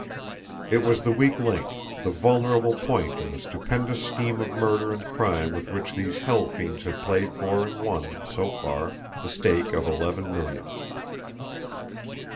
It was the weak link, the vulnerable point in the stupendous scheme of murder and crime with which these hell fiends had played for and won, so far, the stake of eleven millions.